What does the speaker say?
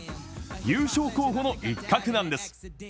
優勝候補の一角なんです。